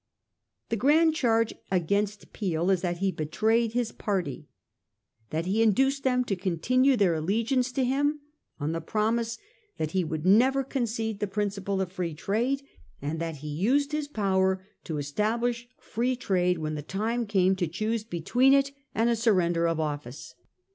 The grand charge against Peel is that he betrayed his: party ; that he induced them to continue their alle giance to him on the promise that he would never 1841—0. PEEL AND FREE TEADE. 353 concede the principle of Free Trade ; and that he ■used his power to establish Free Trade when the time came to choose between it and a surrender of office.